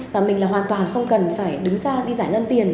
và mình là hoàn toàn không cần phải đứng ra đi giải ngân tiền